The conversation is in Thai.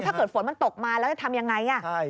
ถ้าเกิดฝนมันตกมาแล้วจะทำยังไง